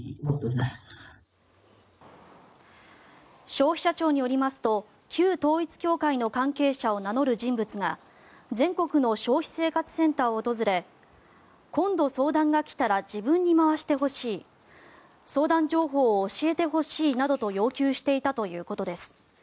消費者庁によりますと旧統一教会の関係者を名乗る人物が全国の消費生活センターを訪れ今度、相談が来たら自分に回してほしい相談情報を教えてほしいなどと要求していたということです。